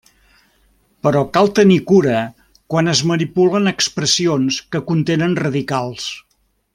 Però cal tenir cura quan es manipulen expressions que contenen radicals.